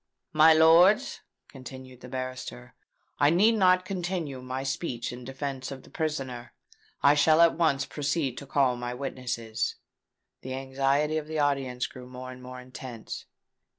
"My lords," continued the barrister, "I need not continue my speech in defence of the prisoner. I shall at once proceed to call my witnesses." The anxiety of the audience grew more and more intense.